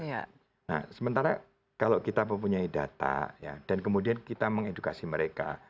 nah sementara kalau kita mempunyai data dan kemudian kita mengedukasi mereka